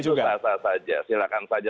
juga silahkan saja